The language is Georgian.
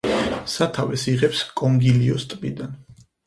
სათავეს იღებს კონგილიოს ტბიდან.